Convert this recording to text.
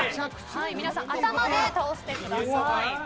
皆さん頭で倒してください。